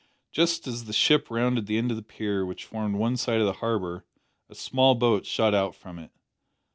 Just as the ship rounded the end of the pier, which formed one side of the harbour, a small boat shot out from it.